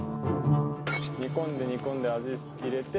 煮込んで煮込んで味入れて。